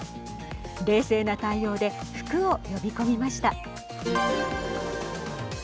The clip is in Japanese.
冷静な対応で福を呼び込みました。